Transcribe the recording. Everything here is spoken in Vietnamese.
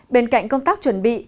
bên cạnh công tác chuẩn bị